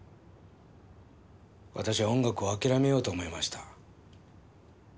私は音楽をあきらめようと思いました。